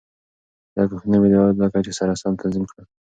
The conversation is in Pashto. لګښتونه مې د عاید له کچې سره سم تنظیم کړل.